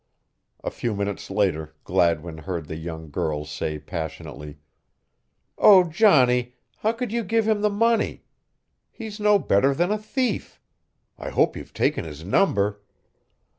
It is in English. A few minutes later Gladwin heard the young girl say passionately: "Oh, Johnny, how could you give him the money? He's no better than a thief. I hope you've taken his number."